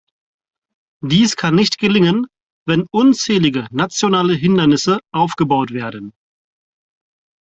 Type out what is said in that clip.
Dies kann nicht gelingen, wenn unzählige nationale Hindernisse aufgebaut werden.